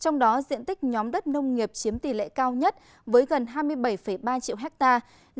trong đó diện tích nhóm đất nông nghiệp chiếm tỷ lệ cao nhất với gần hai mươi bảy ba triệu hectare